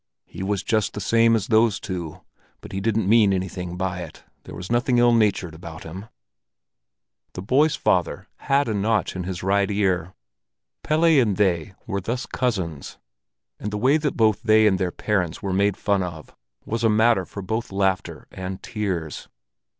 He was just the same as those two, but he didn't mean anything by it, there was nothing ill natured about him." The boys' father had a notch in his right ear. Pelle and they were thus cousins; and the way that both they and their parents were made fun of was a matter for both laughter and tears.